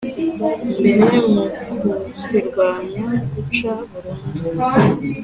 mbere mu kurirwanya Guca burundu